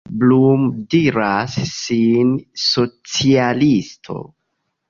Blum diras sin socialisto.